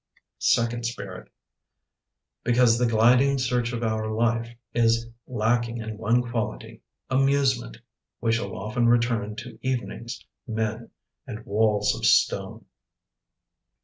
Second Spirit Because the gliding search of our life Is lacking in one quality, amusement, We shall often return To evenings, men, and walls of stone.